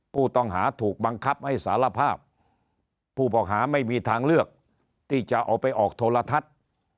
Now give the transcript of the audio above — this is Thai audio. ผู้ต้องหาถูกบังคับให้สารภาพผู้บอกหาไม่มีทางเลือกที่จะเอาไปออกโทรทัศน์